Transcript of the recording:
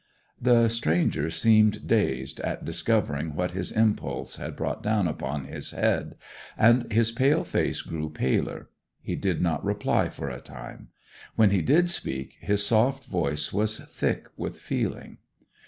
The stranger seemed dazed at discovering what his impulse had brought down upon his head, and his pale face grew paler. He did not reply for a time. When he did speak his soft voice was thick with feeling.